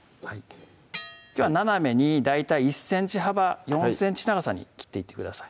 きょうは斜めに大体１ｃｍ幅４ｃｍ長さに切っていってください